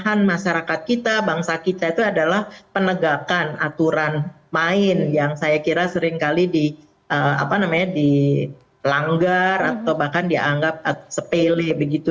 itu kelemahan masyarakat kita bangsa kita itu adalah penegakan aturan main yang saya kira seringkali di apa namanya di pelanggar atau bahkan dianggap sepele begitu